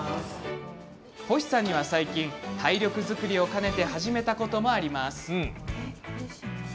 星さんには最近体力作りを兼ねて始めたこともあります。